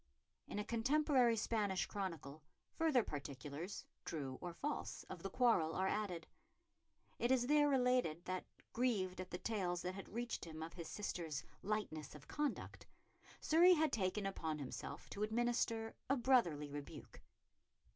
In a contemporary Spanish chronicle further particulars, true or false, of the quarrel are added. It is there related that, grieved at the tales that had reached him of his sister's lightness of conduct, Surrey had taken upon himself to administer a brotherly rebuke.